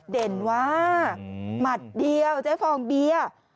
เดี๋ยวเจ๊ฟองเบียร์